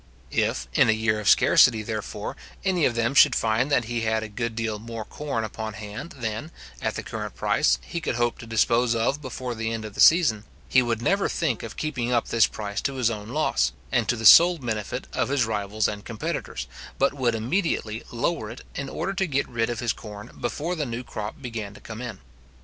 If, in a year of scarcity, therefore, any of them should find that he had a good deal more corn upon hand than, at the current price, he could hope to dispose of before the end of the season, he would never think of keeping up this price to his own loss, and to the sole benefit of his rivals and competitors, but would immediately lower it, in order to get rid of his corn before the new crop began to come in.